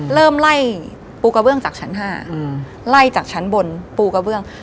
เริ่มไล่ปูกระเบื้องจากชั้น๕ไล่จากชั้นบนปูกระเบื้อง